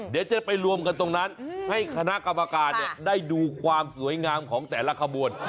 เดี๋ยวจะไปรวมกันตรงนั้นให้คณะกรรมการได้ดูความสวยงามของแต่ละขบวน